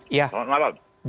iya selamat malam